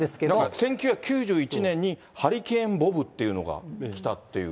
１９９１年にハリケーン・ボブというのが来たっていう。